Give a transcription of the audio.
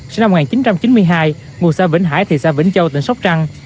sinh năm một nghìn chín trăm chín mươi hai ngụ xã vĩnh hải thị xã vĩnh châu tỉnh sóc trăng